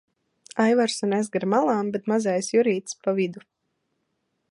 Aivars un es gar malām, bet mazais Jurītis pa vidu.